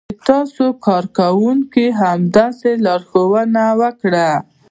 د تاسې کارکونکو همداسې لارښوونه وکړه.